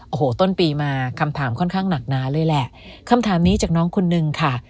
โอ้โหต้นปีมาคำถามค่อนข้างหนักหนาเลยแหละคำถามนี้จากน้องคนนึงค่ะ